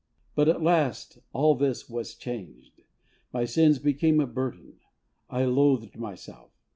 But at last all this was changed ! My sins became a burden. I loathed myself.